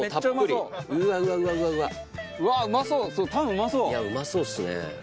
いやうまそうっすね。